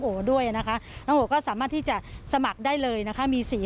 พระศรีพุทธนิสร